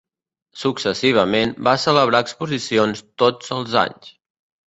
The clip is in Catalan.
Successivament va celebrar exposicions tots els anys.